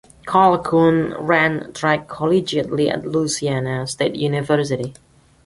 Colquhoun ran track collegiately at Louisiana State University.